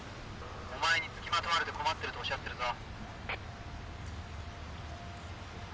お前に付きまとわれて困ってるとおっしゃってるぞ。